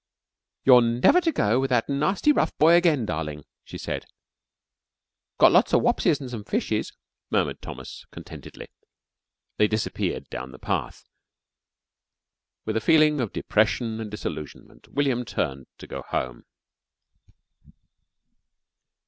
"You're never to go with that nasty rough boy again, darling," she said. "Got lots of wopses an' some fishes," murmured Thomas contentedly. They disappeared down the path. With a feeling of depression and disillusionment William turned to go home.